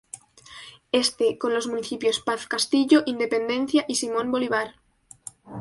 Este: Con los Municipios Paz Castillo, Independencia y Simón Bolívar.